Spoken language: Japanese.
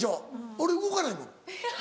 俺動かないもん。